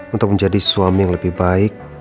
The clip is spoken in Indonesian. untuk menjadi suami yang lebih baik